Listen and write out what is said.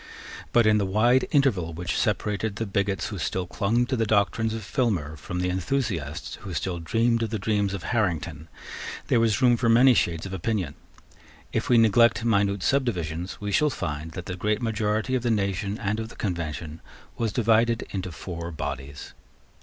But, in the wide interval which separated the bigots who still clung to the doctrines of Filmer from the enthusiasts who still dreamed the dreams of Harrington, there was room for many shades of opinion. If we neglect minute subdivisions, we shall find that the great majority of the nation and of the Convention was divided into four bodies.